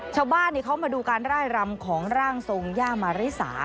ชาวบ้านเขามาดูการไล่รำของร่างทรงย่ามาริสา